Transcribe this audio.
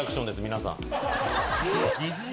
皆さん。